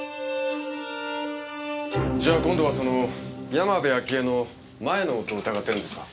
じゃあ今度はその山辺明恵の前の夫を疑ってるんですか？